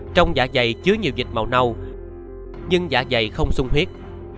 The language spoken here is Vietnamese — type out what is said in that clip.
trong giả dày chứa nhiều dịch màu nâu nhưng giả dày không sung huyết